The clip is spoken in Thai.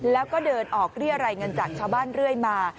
แล้วก็เดินออกเรียรัยเงินจากชาวบ้านเรื่อยมา